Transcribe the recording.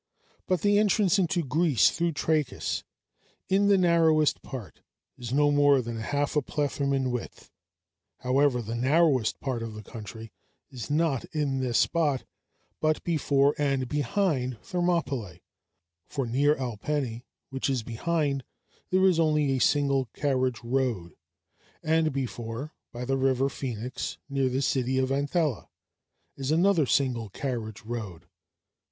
But the entrance into Greece through Trachis, in the narrowest part, is no more than a half plethrum in width: however, the narrowest part of the country is not in this spot, but before and behind Thermopylæ; for near Alpeni, which is behind, there is only a single carriage road, and before, by the river Phoenix, near the city of Anthela, is another single carriage road.